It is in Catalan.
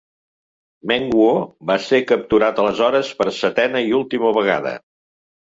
Meng Huo va ser capturat aleshores per setena i última vegada.